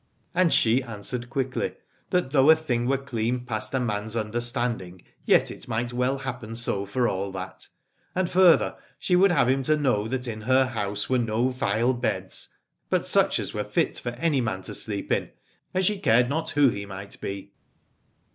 And she answered quickly that though a thing were clean past a man's understanding, yet it might well happen so for all that : and further, she would have him to know that in her house were no vile beds, but such as i6 Alad ore were fit for any man to sleep in, and she cared not who he might be.